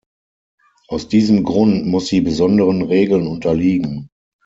Aus diesem Grund muss sie besonderen Regeln unterliegen.